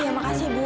iya makasih ibu